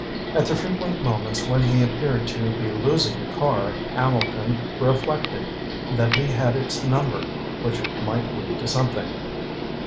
At the frequent moments when he appeared to be losing the car, Hambleton reflected that he had its number, which might lead to something.